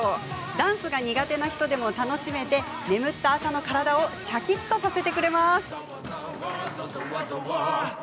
ダンスが苦手な人でも楽しめて眠った朝の体をシャキッとさせてくれます。